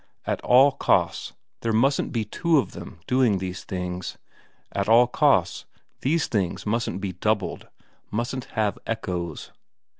At all costs there mustn't be two of them doing these things, at all costs these things mustn't be doubled, mustn't have echoes.